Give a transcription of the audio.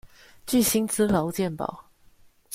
具薪資勞健保